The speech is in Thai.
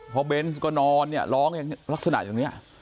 พอเบนส์ก็นอนร้องอย่างลักษณะอย่างนี้